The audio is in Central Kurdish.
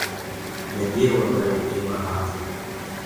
لە دێوە بەرەو ئێمە هاتن